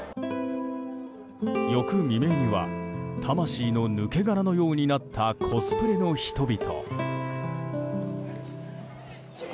翌未明には魂の抜け殻のようになったコスプレの人々。